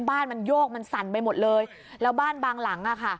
บ้านมันโยกมันสั่นไปหมดเลยแล้วบ้านบางหลังอ่ะค่ะ